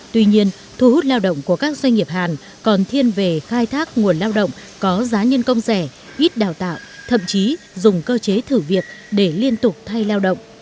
tuy nhiên thu hút lao động của các doanh nghiệp hàn còn thiên về khai thác nguồn lao động có giá nhân công rẻ ít đào tạo thậm chí dùng cơ chế thử việc để liên tục thay lao động